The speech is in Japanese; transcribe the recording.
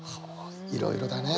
いろいろだね。